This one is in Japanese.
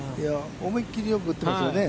思いきりよく打っていますよね。